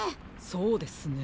そうですね。